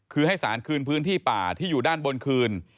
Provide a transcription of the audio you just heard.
คือให้สารคืนพื้นที่ป่าที่อยู่ด้านบนคืน